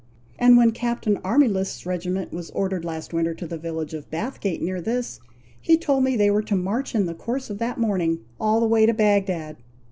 And when Captain Armylist's regiment was ordered last winter to the village of Bathgate near this, he told me they were to march in the course of that morning, all the way to Bagdad."